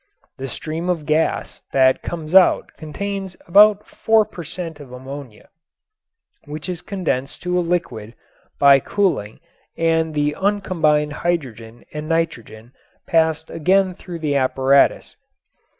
The stream of gas that comes out contains about four per cent. of ammonia, which is condensed to a liquid by cooling and the uncombined hydrogen and nitrogen passed again through the apparatus.